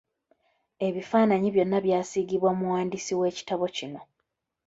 Ebifaananyi byonna byasiigibwa muwandiisi w’ekitabo kino.